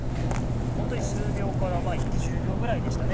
ホントに数秒からいって１０秒ぐらいでしたね